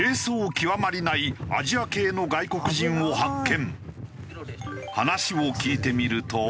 極まりないアジア系の外国人を発見。